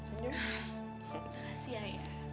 itu gak sih ayah